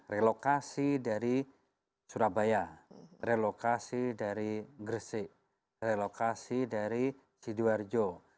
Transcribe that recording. relokasi dari surabaya relokasi dari gresik relokasi dari sidoarjo